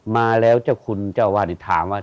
มาแล้วเจ้าคุณเจ้าวาดที่ถามว่า